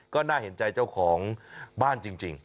ก็น่าเห็นใจเจ้าของบ้านจริง